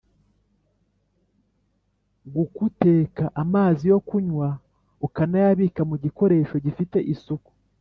gukuteka amazi yo kunywa , ukanayabika mu gikoresho gifite isuku